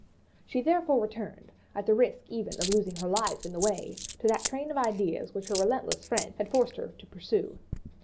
She therefore returned, at the risk even of losing her life in the way, to that train of ideas which her relentless friend had forced her to pursue.